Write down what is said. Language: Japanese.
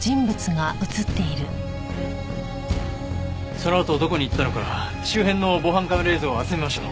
そのあとどこに行ったのか周辺の防犯カメラ映像を集めましょう。